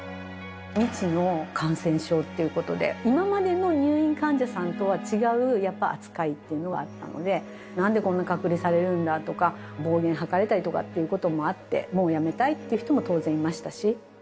未知の感染症っていうことで、今までの入院患者さんとは違うやっぱり扱いというのはあったので、なんでこんな隔離されるんだ！とか、暴言吐かれたりとかっていうこともあったので、もうやめたいっていう人も当然いましたし。